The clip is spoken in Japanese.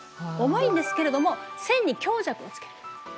重いんですけれども線に強弱をつける。